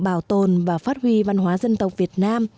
bảo tồn và phát huy văn hóa dân tộc việt nam